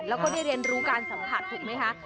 แล้วก็ได้เรียนรู้การสัมผัสถูกไหมคะ